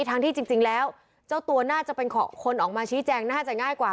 ทั้งที่จริงแล้วเจ้าตัวน่าจะเป็นคนออกมาชี้แจงน่าจะง่ายกว่า